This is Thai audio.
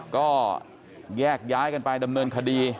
ก็แยกย้ายกันไปดำเนินคดี